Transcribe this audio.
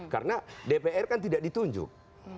karena dpr kan tidak ditunjuk